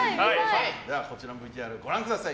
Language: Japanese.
こちらのＶＴＲご覧ください。